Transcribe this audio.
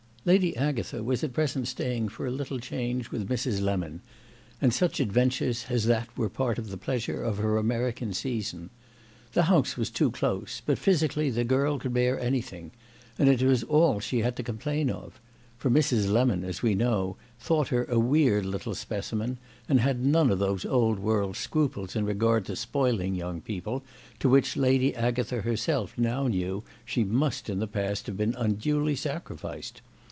Lady Agatha was at present staying for a little change with Mrs. Lemon, and such adventures as that were part of the pleasure of her American season. The house was too close, but physically the girl could bear anything, and it was all she had to complain of; for Mrs. Lemon, as we know, thought her a weird little specimen, and had none of those old world scruples in regard to spoiling young people to which Lady Agatha herself now knew she must in the past have been unduly sacrificed.